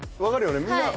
分かるよね？